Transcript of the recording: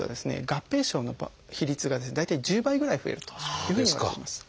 合併症の比率がですね大体１０倍ぐらい増えるというふうにいわれています。